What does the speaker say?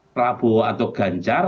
prabowo atau ganjar